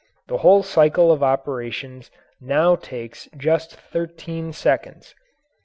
The whole cycle of operations now takes just thirteen seconds.